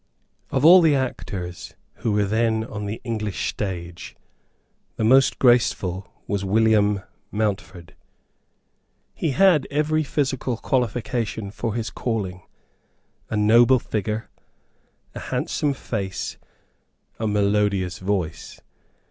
Of all the actors who were then on the English stage the most graceful was William Mountford. He had every physical qualification for his calling, a noble figure, a handsome face, a melodious voice.